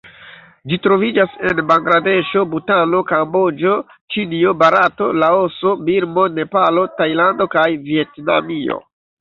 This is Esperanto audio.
Ĝi troviĝas en Bangladeŝo, Butano, Kamboĝo, Ĉinio, Barato, Laoso, Birmo, Nepalo, Tajlando kaj Vjetnamio.